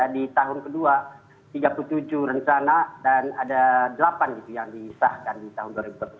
di tahun kedua tiga puluh tujuh rencana dan ada delapan yang disahkan di tahun dua ribu dua puluh satu